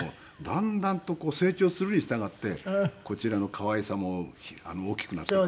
だんだんと成長するにしたがってこちらの可愛さも大きくなってくる。